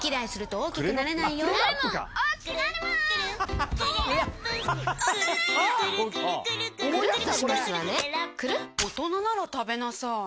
大人なら食べなさい。